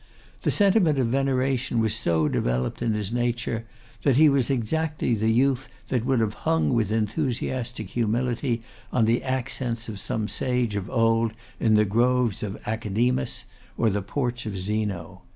The sentiment of veneration was so developed in his nature, that he was exactly the youth that would have hung with enthusiastic humility on the accents of some sage of old in the groves of Academus, or the porch of Zeno.